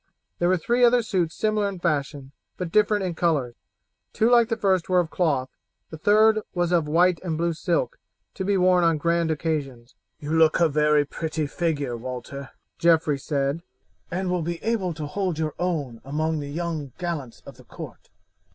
There were three other suits similar in fashion, but different in colour; two like the first were of cloth, the third was of white and blue silk, to be worn on grand occasions. "You look a very pretty figure, Walter," Geoffrey said, "and will be able to hold your own among the young gallants of the court.